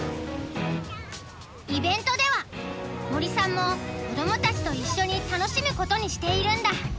イベントでは森さんも子どもたちと一緒に楽しむことにしているんだ。